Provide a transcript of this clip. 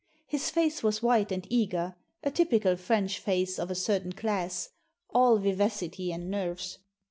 His face was white and eager, a typical French face of a certain class, all vivacity and nerves.